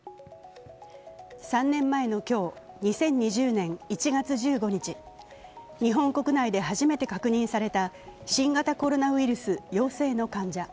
３年前の今日、２０２０年１月１５日、日本国内で初めて確認された新型コロナウイルス陽性の患者。